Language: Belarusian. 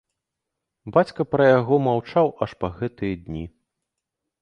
Бацька пра яго маўчаў аж па гэтыя дні.